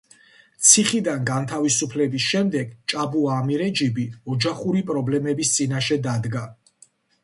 ციხიდან განთავისუფლების შემდეგ ჭაბუა ამირეჯიბი ოჯახური პრობლემების წინაშე დადგა.